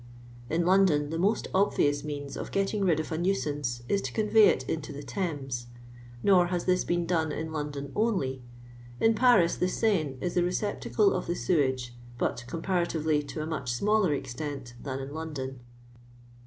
In London the most obvious means of getting lid of a nuisance is to convey it inti> the Thames. Nor has this leen done in London only. In I'aris the Seine is the rieeptacle of the sewage, but, comparatively, to a niuch smaller extent than in London.